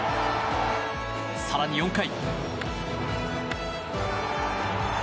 更に４回。